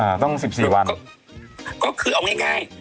อ่าต้องสิบสี่วันก็คือเอาง่าย